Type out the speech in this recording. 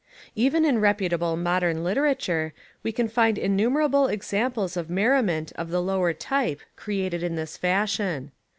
Even In reputable modern literature we can find innumerable examples of merriment of the lower type created In this fashion.